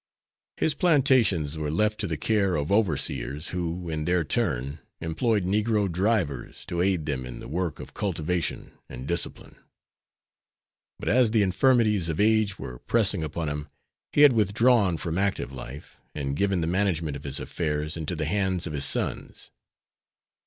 His plantations were left to the care of overseers who, in their turn, employed negro drivers to aid them in the work of cultivation and discipline. But as the infirmities of age were pressing upon him he had withdrawn from active life, and given the management of his affairs into the hands of his sons.